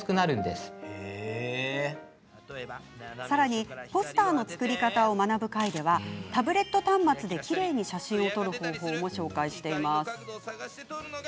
さらに、ポスターの作り方を学ぶ回ではタブレット端末できれいに写真を撮る方法も紹介しています。